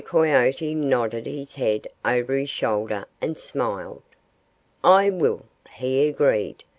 Coyote nodded his head over his shoulder and smiled. "I will," he agreed.